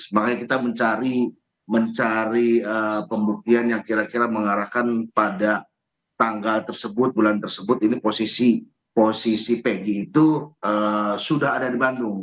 makanya kita mencari pembuktian yang kira kira mengarahkan pada tanggal tersebut bulan tersebut ini posisi pg itu sudah ada di bandung